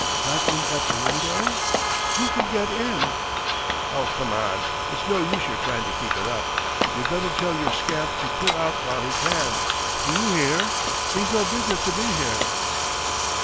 Got in at the window? Who could get in?" "Oh come, it's no use your trying to keep it up! You'd better tell your scamp to clear out while he can! Do you hear? He's no business to be here!"